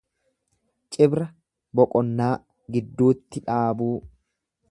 Cibra boqonnaa, gidduutti dhaabuu.